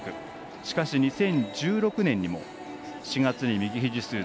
しかし、２０１６年にも４月に右ひじ手術。